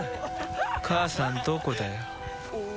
母さんどこだよ？